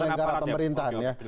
negara pemerintahan ya